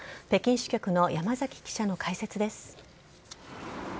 北京支局の山崎記者の解説です。